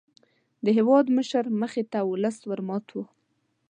د هېوادمشر مخې ته ولس ور مات وو.